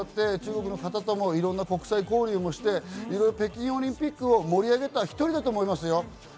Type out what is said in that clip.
中国の方ともいろんな国際交流もして、北京オリンピックを盛り上げた一人だと思いますよ。